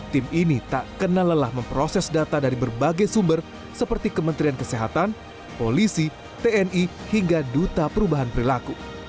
tim ini tak kenal lelah memproses data dari berbagai sumber seperti kementerian kesehatan polisi tni hingga duta perubahan perilaku